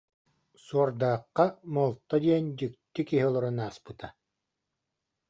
Суордаахха Молто диэн дьикти киһи олорон ааспыта